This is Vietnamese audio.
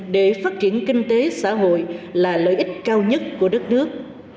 để phát triển kinh tế xã hội là lợi ích cao nhất của đất nước